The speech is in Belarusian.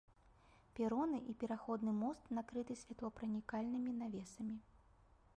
Пероны і пераходны мост накрыты святлопранікальнымі навесамі.